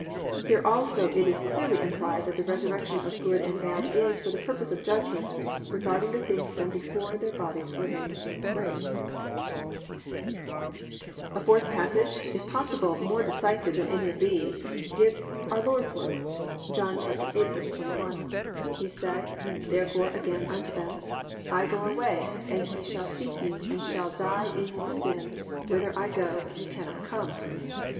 "+ Here also it is clearly implied that the resurrection of good and bad is for the purpose of judgment regarding the things done before their bodies were laid in their graves. 4. A fourth passage, if possible more decisive than any of these, gives our Lord's words, John 8:21: +"He said therefore again unto them; I go away, and ye shall seek me, and shall die in your sin, whither I go, ye cannot come."